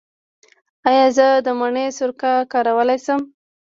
ایا زه د مڼې سرکه کارولی شم؟